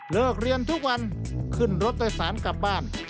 เรียนทุกวันขึ้นรถโดยสารกลับบ้าน